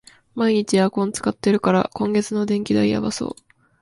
毎日エアコン使ってるから、今月の電気代やばそう